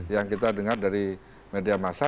yang kita dengar dari media masa